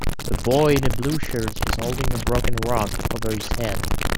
A boy in a blue shirt is holding a broken rock over his head.